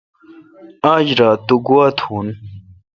آج رات تو گوا تھون۔